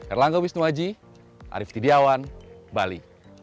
erlangga wisnuaji arief tidiawan bali